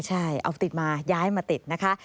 ใช่เอาติดมาย้ายมาติดนะคะ